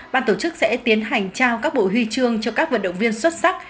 ban tổ chức sẽ tiến hành trao các bộ huy chương cho các vận động viên xuất sắc